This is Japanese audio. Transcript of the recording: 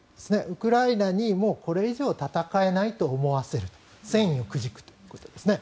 ウクライナにもうこれ以上戦えないと思わせる戦意をくじくということですね。